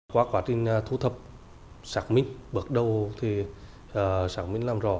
qua quá trình thu thập sản minh bước đầu thì sản minh làm rõ